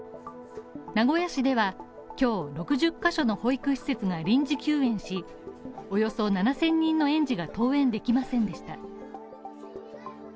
名古屋市では今日６０ヶ所の保育施設が臨時休園し、およそ７０００人の園児が登園できませんでした。